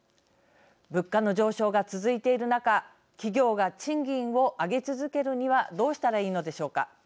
物価の上昇が続いている中企業が賃金を上げ続けるにはどうしたらいいのでしょうか。